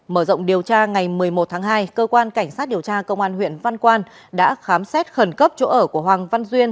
mở rộng điều tra ngày một mươi một tháng hai cơ quan cảnh sát điều tra công an huyện văn quan đã khám xét khẩn cấp chỗ ở của hoàng văn duyên